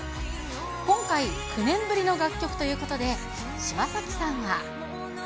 今回、９年ぶりの楽曲ということで、柴咲さんは。